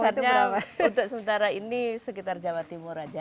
artinya untuk sementara ini sekitar jawa timur saja